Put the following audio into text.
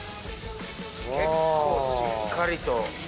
結構しっかりと。